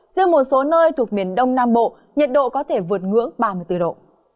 riêng một số nơi thuộc miền đông nam bộ nhiệt độ có thể vượt ngưỡng ba mươi bốn độ